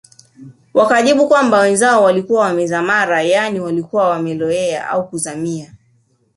Wakajibu kwamba wenzao walikuwa wamezarama yaani walikuwa wamelowea au kuzamia